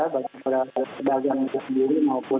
baik pada kegagalan kita sendiri maupun